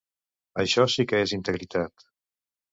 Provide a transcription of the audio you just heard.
Això sí que és integritat!